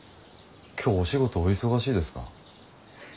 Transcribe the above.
今日お仕事お忙しいですか？